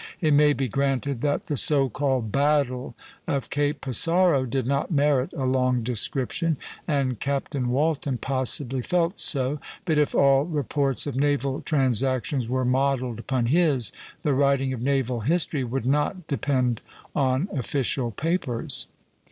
It may be granted that the so called "battle" of Cape Passaro did not merit a long description, and Captain Walton possibly felt so; but if all reports of naval transactions were modelled upon his, the writing of naval history would not depend on official papers.